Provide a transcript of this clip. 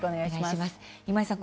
今井さん